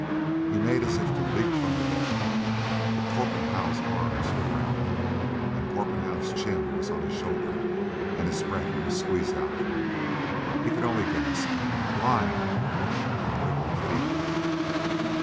He made as if to leap from the bed, but Torpenhow's arms were round him, and Torpenhow's chin was on his shoulder, and his breath was squeezed out of him. He could only gasp, "Blind!" and wriggle feebly.